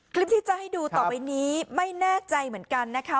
คลิปที่จะให้ดูต่อไปนี้ไม่แน่ใจเหมือนกันนะคะ